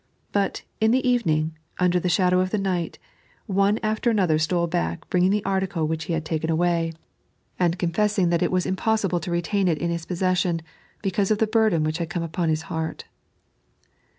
But, in the evening, under the shadow of the night, one after another stole back bringing the article which he had taken away, and 3.n.iized by Google 73 The Second Mile. confeesing that it wba impossible to retain it in his poeses sioQ, because of the burden which had come upon his heart.